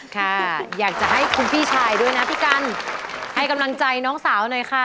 ค่ะอยากจะให้คุณพี่ชายด้วยนะพี่กันให้กำลังใจน้องสาวหน่อยค่ะ